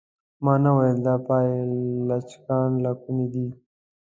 ما نه ویل دا پايي لچکان له کومه دي.